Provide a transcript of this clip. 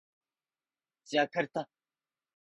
ジャカルタ